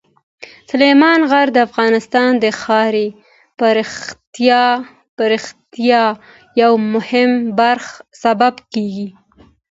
سلیمان غر د افغانستان د ښاري پراختیا یو مهم سبب کېږي.